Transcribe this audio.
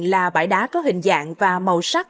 là bãi đá có hình dạng và màu sắc